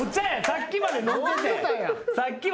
さっきまで飲んでた。